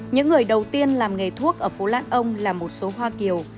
những người đầu tiên làm nghề thuốc ở phố lãn ông là một số hoa kiều